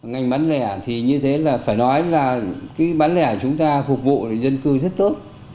ngành bán lẻ thì như thế là phải nói là cái bán lẻ chúng ta phục vụ dân cư rất tốt